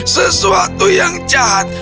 sesuatu yang jahat